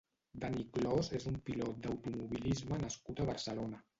Dani Clos és un pilot d'automovilisme nascut a Barcelona.